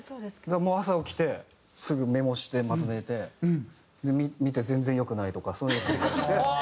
だから朝起きてすぐメモしてまた寝て見て全然良くないとかそういうのを繰り返して。